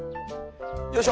よいしょ。